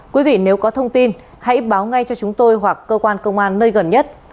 quý vị nếu có thông tin hãy báo ngay cho chúng tôi hoặc cơ quan công an nơi gần nhất